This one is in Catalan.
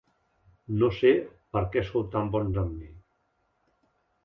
No sé per què sou tan bons amb mi.